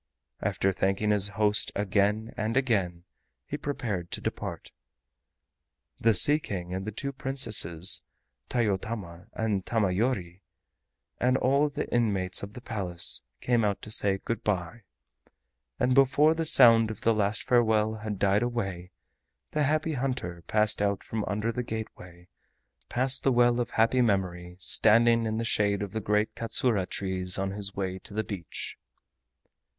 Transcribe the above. After thanking his kind host again and again, he prepared to depart. The Sea King and the two Princesses, Tayotama and Tamayori, and all the inmates of the Palace, came out to say "Good by," and before the sound of the last farewell had died away the Happy Hunter passed out from under the gateway, past the well of happy memory standing in the shade of the great KATSURA trees on his way to the beach.